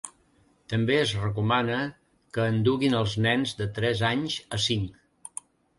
També es recomana que en duguin els nens de tres anys a cinc.